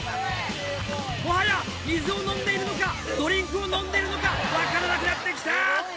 もはや水を飲んでいるのかドリンクを飲んでいるのか分からなくなってきた！